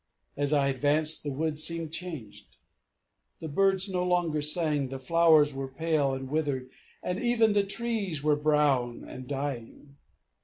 As I advanced the woods seemed changed; the birds no longer sang, the flowers were pale and withered, and even the trees were brown and dying.